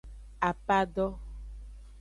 Apado.